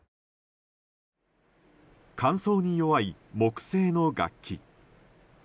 乾燥に弱い木製の楽器。